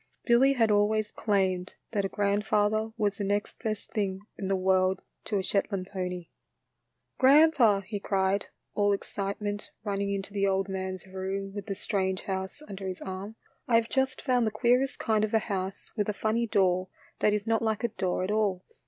Billy had always claimed that a grandfather was the next best thins; in the world to a Shetland pony. " Grandpa," he cried, all excitement, run 59 60 THE LITTLE FORESTERS. ning into the old man's room with the strange house under his arm, "I have just found the queerest kind of a house with a funny door that is not like a door at all.